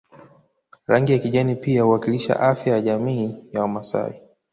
Rangi ya kijani pia huwakilisha afya ya jamii ya Wamasai